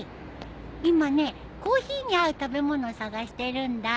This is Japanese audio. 今ねコーヒーに合う食べ物探してるんだ。